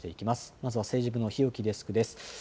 まずは政治部の日置デスクです。